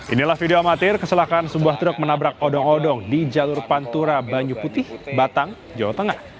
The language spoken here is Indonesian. inilah video amatir keselakaan sebuah truk menabrak odong odong di jalur pantura banyu putih batang jawa tengah